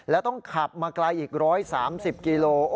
แล้วต้องขับมาไกลอีก๑๓๐กิโล